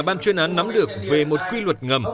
ban chuyên án nắm được về một quy luật ngầm